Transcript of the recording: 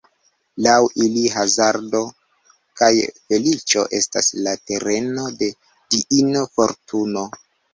Laŭ ili hazardo kaj feliĉo estas la tereno de diino Fortuno.